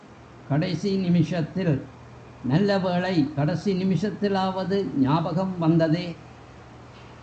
கடைசி நிமிஷத்தில்... நல்ல வேளை, கடைசி நிமிஷத்திலாவது ஞாபகம் வந்ததே!